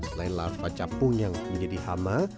selain larva capung yang menjadi hama